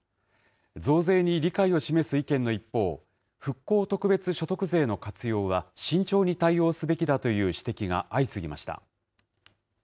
増税に理解を示す意見の一方、復興特別所得税の活用は慎重に対応すべきだという指摘が相次ぎました。